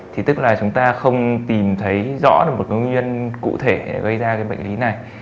thì tức là chúng ta không tìm thấy rõ được một nguyên nhân cụ thể gây ra cái bệnh lý này